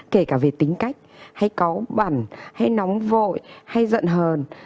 kể cả về tính cách hay có bẩn hay nóng vội hay giận hờn